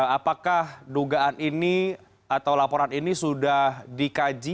apakah dugaan ini atau laporan ini sudah dikaji